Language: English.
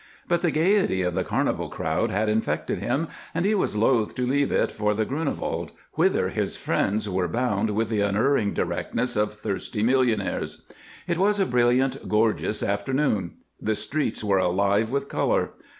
But the gaiety of the carnival crowd had infected him, and he was loath to leave it for the Grunewald, whither his friends were bound with the unerring directness of thirsty millionaires. It was a brilliant, gorgeous afternoon; the streets were alive with color.